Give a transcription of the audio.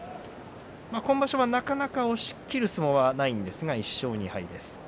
今場所はなかなか押しきる相撲はないんですが１勝２敗です。